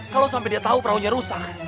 kalau sampai dia tau perahu nya rusak